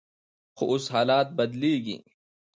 خو اوس حالات بدلیږي.